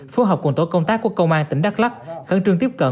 phối hợp cùng tổ công tác của công an tỉnh đắk lắc khẩn trương tiếp cận